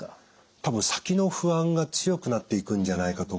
多分先の不安が強くなっていくんじゃないかと思うんです。